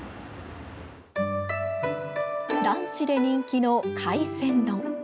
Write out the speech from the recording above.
ランチで人気の海鮮丼。